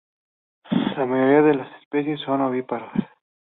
La mayoría de las especies son ovíparos.